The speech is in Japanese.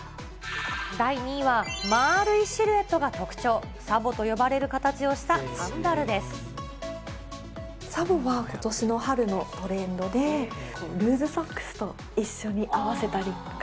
第２位は、まあるいシルエットが特徴、サボと呼ばれる形をしたサンダルサボはことしの春のトレンドで、ルーズソックスと一緒に合わせたりとか。